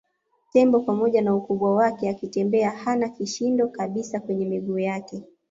Tembo pamoja na ukubwa wake akitembea hana kishindo kabisa kwenye miguu yake